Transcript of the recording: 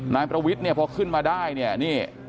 นายประวิทย์พอขึ้นมาได้